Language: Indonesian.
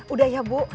udah ya bu